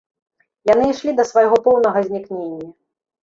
Яны ішлі да свайго поўнага знікнення.